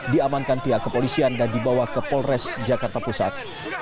diamankan pihak kepolisian dan dibawa ke polres jakarta pusat